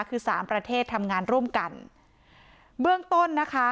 คือสามประเทศทำงานร่วมกันเบื้องต้นนะคะ